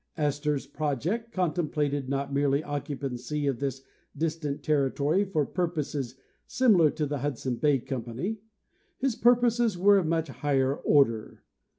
Astor's project contemplated not merely occupancy of this dis tant territory for purposes similar to the Hudson Bay company; his purposes were of much higher order.